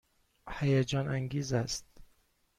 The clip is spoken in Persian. هیجان انگیز است.